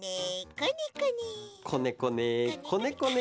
こねこねこねこね。